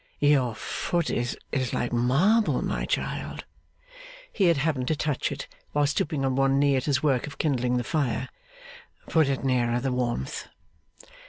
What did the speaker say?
'Your foot is like marble, my child;' he had happened to touch it, while stooping on one knee at his work of kindling the fire; 'put it nearer the warmth.